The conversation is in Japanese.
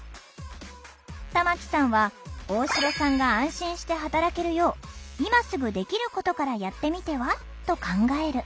玉木さんは「大城さんが安心して働けるよう今すぐできることからやってみては？」と考える。